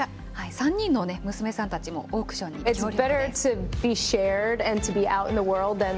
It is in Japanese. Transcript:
３人の娘さんたちもオークションに協力です。